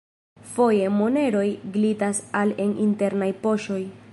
Foje, moneroj glitas al en internaj poŝoj.